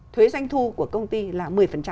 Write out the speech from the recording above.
thuế doanh thu của công ty là một mươi